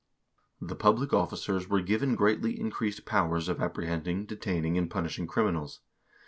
Thepublic officers were given greatly increased powers of apprehending, detaining, and punishing criminals.